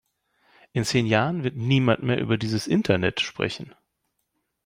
In zehn Jahren wird niemand mehr über dieses Internet sprechen!